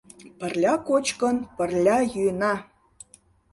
Пырля кочкын, пырля йӱына!